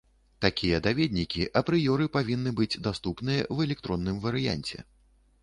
Такія даведнікі апрыёры павінны быць даступныя ў электронным варыянце.